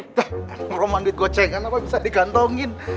hah roman dwi koce kenapa bisa digantongin